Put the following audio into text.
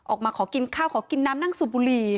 ออกมาขอกินข้าวขอกินน้ำนั่งสูบบุหรี่